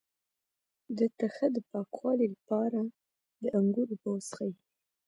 د تخه د پاکوالي لپاره د انګور اوبه وڅښئ